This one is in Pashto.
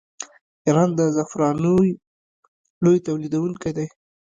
ایران د زعفرانو لوی تولیدونکی دی.